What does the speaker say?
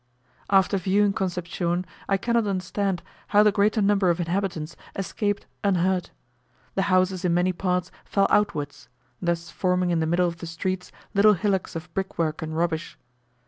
After viewing Concepcion, I cannot understand how the greater number of inhabitants escaped unhurt. The houses in many parts fell outwards; thus forming in the middle of the streets little hillocks of brickwork and rubbish.